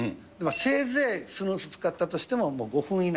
せいぜいスヌーズ使ったとしても、もう５分以内。